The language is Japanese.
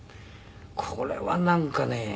これはなんかね